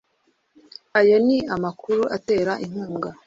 ayo ni amakuru atera inkunga